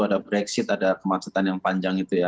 ada brexit ada kemacetan yang panjang itu ya